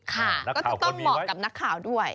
ค่ะก็จะต้องเหมาะกับนักข่าวด้วย